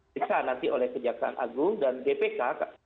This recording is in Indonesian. bisa nanti oleh kejaksaan agung dan bpk